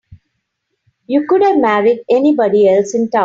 You could have married anybody else in town.